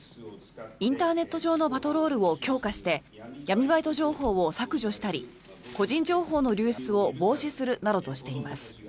インターネット上のパトロールを強化して闇バイト情報を削除したり個人情報の流出を防止するなどとしています。